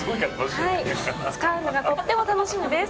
使うのがとっても楽しみです！